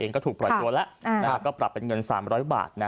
ก็ถูกปล่อยตัวแล้วก็ปรับเป็นเงิน๓๐๐บาท